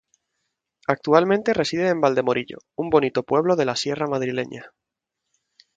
Actualmente reside en Valdemorillo, un bonito pueblo de la sierra madrileña.